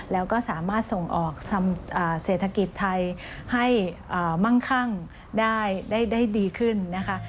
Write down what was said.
แล้วก็สามารถส่งออกทำเศรษฐกิจไทยให้มั่งคั่งได้ดีขึ้นนะคะ